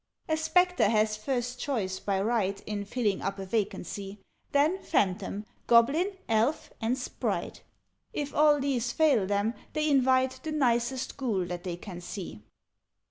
"A Spectre has first choice, by right, In filling up a vacancy; Then Phantom, Goblin, Elf, and Sprite If all these fail them, they invite The nicest Ghoul that they can see.